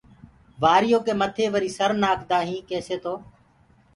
وآريو ڪي مٿي وري سر نآکدآ هين ڪيسآ تو